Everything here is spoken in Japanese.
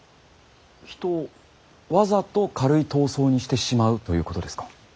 人をわざと軽い痘瘡にしてしまうということですか？